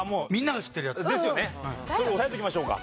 そこ押さえておきましょうか。